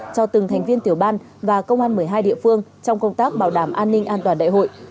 cho từng thành viên tiểu ban và công an một mươi hai địa phương trong công tác bảo đảm an ninh an toàn đại hội